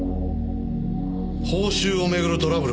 報酬をめぐるトラブルか。